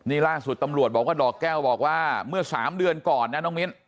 นี่ล่าสุดตำรวจบอกว่าดอกแก้วบอกว่าเมื่อ๓เดือนก่อนนะน้องมิ้น